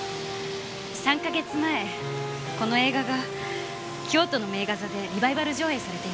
３か月前この映画が京都の名画座でリバイバル上映されていました。